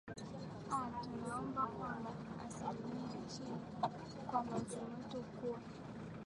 a tunaomba kwamba alisimamia hili kwamba uchumi wetu ukue